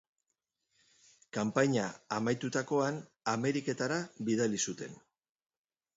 Kanpaina amaitutakoan, Ameriketara bidali zuten.